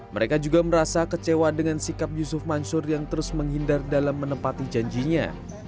mereka juga merasa kecewa dengan sikap yusuf mansur yang terus menghindar dalam menepati janjinya